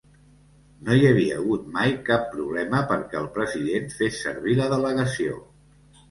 No hi havia hagut mai cap problema perquè el president fes servir la delegació.